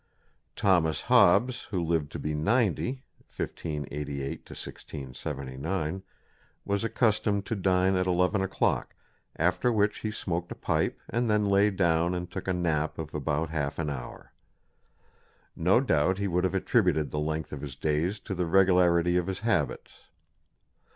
Thomas Hobbes, who lived to be ninety (1588 1679), was accustomed to dine at 11 o'clock, after which he smoked a pipe and then lay down and took a nap of about half an hour. No doubt he would have attributed the length of his days to the regularity of his habits.